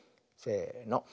せの。